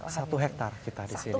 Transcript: satu hektare kita di sini